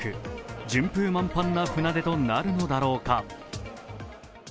順風満帆な船出となるのだろうか。